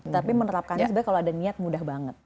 tapi menerapkannya sebenarnya kalau ada niat mudah banget